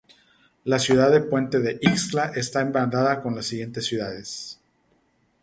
La ciudad de Puente de Ixtla está hermanada con las siguientes ciudades